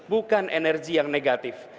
bukan energi yang negatif